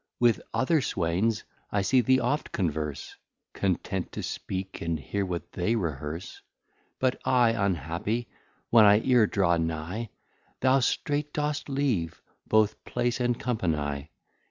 With other Swaines I see thee oft converse, Content to speak, and hear what they rehearse: But I unhappy, when I e're draw nigh, Thou streight do'st leave both Place, and Company.